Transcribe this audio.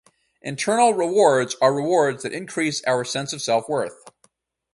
Internal rewards are rewards that increase our sense of self-worth.